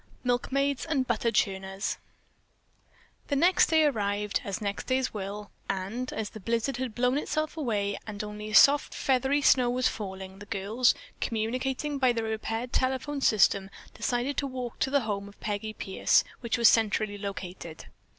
MILK MAIDS AND BUTTER CHURNERS The next day arrived, as next days will, and, as the blizzard had blown itself away and only a soft feathery snow was falling, the girls, communicating by the repaired telephone system, decided to walk to the home of Peggy Pierce, which was centrally located.